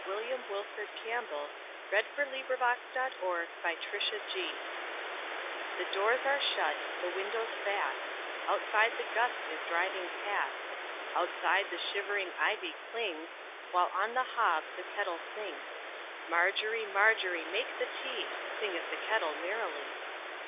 William Wilfred Campbell 1861–1918 A Canadian Folk Song CampbllWW THE DOORS are shut, the windows fast, Outside the gust is driving past, Outside the shivering ivy clings, While on the hob the kettle sings. Margery, Margery, make the tea, Singeth the kettle merrily.